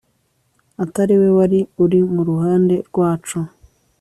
atari we wari uri mu ruhande rwacu